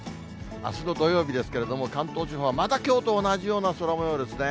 あすの土曜日ですけれども、関東地方はまたきょうと同じような空もようですね。